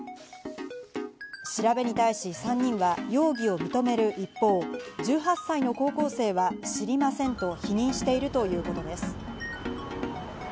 調べに対し３人は容疑を認める一方、１８歳の高校生は知りませんと否認しているということです。